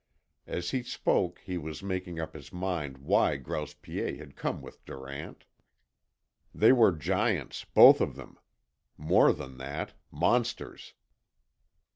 As he spoke he was making up his mind why Grouse Piet had come with Durant. They were giants, both of them: more than that monsters.